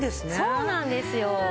そうなんですよ。